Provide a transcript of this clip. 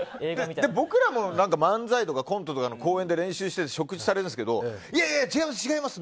僕らも漫才とかコントとかを公園で練習していて職質されるんですけど違います！